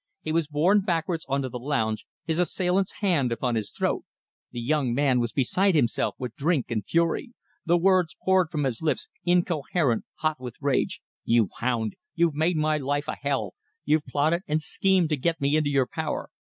He was borne backwards on to the lounge, his assailant's hand upon his throat. The young man was beside himself with drink and fury. The words poured from his lips, incoherent, hot with rage. "You hound! You've made my life a hell! You've plotted and schemed to get me into your power!...